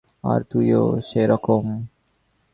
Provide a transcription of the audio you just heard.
আর তুইও সেরকম।